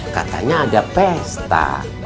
katanya ada pesta